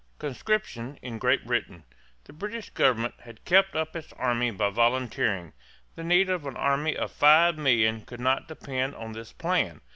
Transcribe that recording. CONSCRIPTION IN GREAT BRITAIN. The British government had kept up its army by volunteering. The need of an army of five million could not depend on this plan.